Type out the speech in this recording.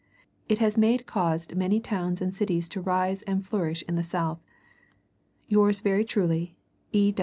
It has made caused many towns and cities to rise and flourish in the South.... "Yours very truly, E.